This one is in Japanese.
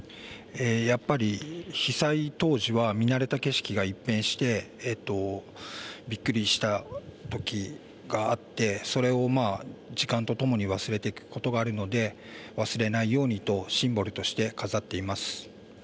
やっぱり被災当時は見慣れた景色が一変して、びっくりしたときがあって、それを時間とともに忘れていくことがあるので、忘れないようにとシンボルとして飾っています。